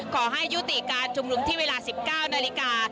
ขอให้ยุติการชุมนุมที่เวลา๑๙นาฬิกา